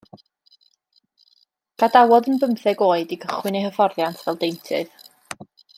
Gadawodd yn bymtheg oed i gychwyn ei hyfforddiant fel deintydd.